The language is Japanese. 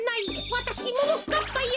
わたしももかっぱよ。